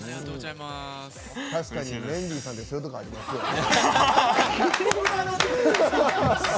確かにメンディーさんってそういうところありますよね。